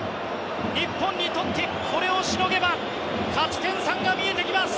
日本にとってこれをしのげば勝ち点３が見えてきます！